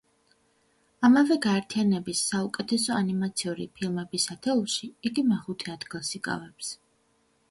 ამავე გაერთიანების საუკეთესო ანიმაციური ფილმების ათეულში იგი მეხუთე ადგილს იკავებს.